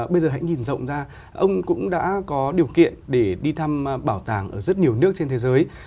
bây giờ hãy nhìn rộng ra ông cũng đã có điều kiện để đi thăm bảo tàng ở rất nhiều nước trên thế giới